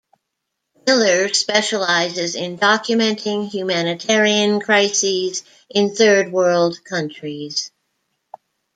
Miller specializes in documenting humanitarian crises in third world countries.